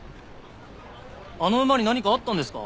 あの馬に何かあったんですか？